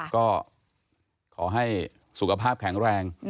ก็ขอให้สุขภาพแข็งแรง